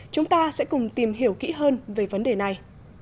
chúng ta sẽ cùng tìm hiểu kỹ hơn về vấn đề này